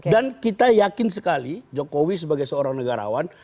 dan kita yakin sekali jokowi sebagai seorang negarawan